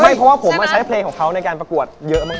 เพราะว่าผมใช้เพลงของเขาในการประกวดเยอะมาก